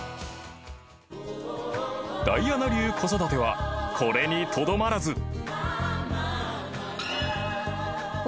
［ダイアナ流子育てはこれにとどまらず］